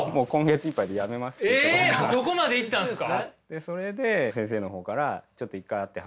そこまでいったんですか。